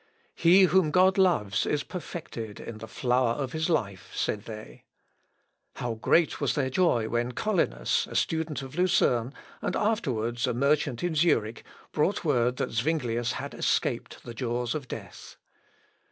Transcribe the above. "He whom God loves is perfected in the flower of his life," said they. How great was their joy when Collinus, a student of Lucerne, and afterwards a merchant in Zurich, brought word that Zuinglius had escaped the jaws of death.